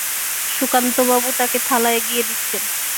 সুধাকান্তবাবু তাঁকে থালা এগিয়ে দিচ্ছেন।